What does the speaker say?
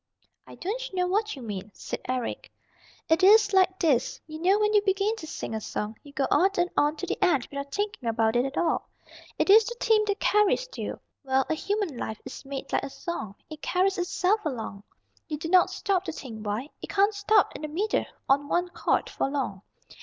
"I don't know what you mean," said Eric. "It is like this: you know when you begin to sing a song, you go on and on to the end without thinking about it at all. It is the theme that carries you. Well, a human life is made like a song, it carries itself along. You do not stop to think why. It can't stop in the middle, on one chord, for long.